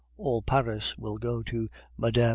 All Paris will go to Mme.